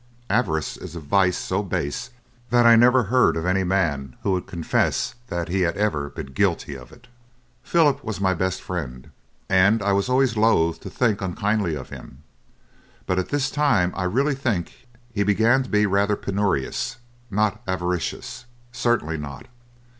Avarice is a vice so base that I never heard of any man who would confess that he had ever been guilty of it. Philip was my best friend, and I was always loath to think unkindly of him, but at this time I really think he began to be rather penurious not avaricious, certainly not.